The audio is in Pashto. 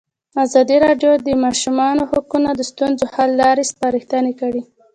ازادي راډیو د د ماشومانو حقونه د ستونزو حل لارې سپارښتنې کړي.